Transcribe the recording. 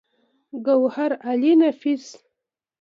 ګوهرعلي نفيس